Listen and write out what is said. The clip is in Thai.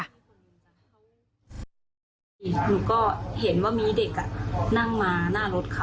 หนูก็เห็นว่ามีเด็กนั่งมาหน้ารถเขา